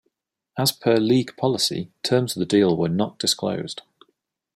As per league policy, terms of the deal were not disclosed.